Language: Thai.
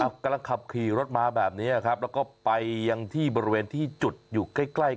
กำลังขับขี่รถมาแบบนี้ครับแล้วก็ไปยังที่บริเวณที่จุดอยู่ใกล้ใกล้